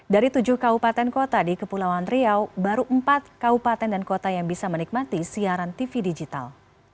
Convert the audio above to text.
dari tujuh kabupaten kota di kepulauan riau baru empat kaupaten dan kota yang bisa menikmati siaran tv digital